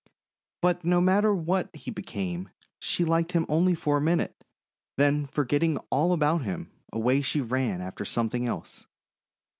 But no matter what he became, she liked him only for a minute, then forgetting all about him, away she ran after something else.